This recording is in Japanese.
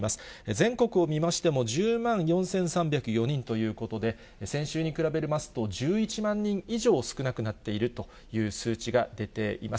全国を見ましても、１０万４３０４人ということで、先週に比べますと、１１万人以上少なくなっているという数値が出ています。